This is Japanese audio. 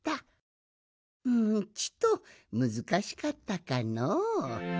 うんちとむずかしかったかの。